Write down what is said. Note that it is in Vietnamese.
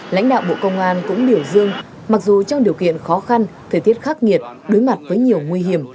lãnh đạo bộ công an cũng biểu dương mặc dù trong điều kiện khó khăn thời tiết khắc nghiệt đối mặt với nhiều nguy hiểm